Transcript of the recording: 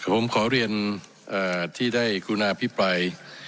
ผมขอเรียนที่ได้กรุณาพิปราย